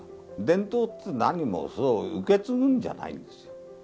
伝統ってなにも受け継ぐんじゃないんです。